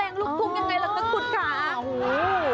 ไม้มัวไทยผสมกับสเต็ปการเต้นแปลงลูกภูมิยังไงล่ะครับกุฎขา